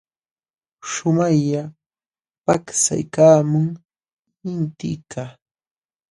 Shumaqlla paksaykaamun intikaq.